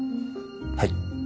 はい。